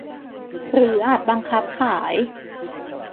หรืออาจบังคับขาย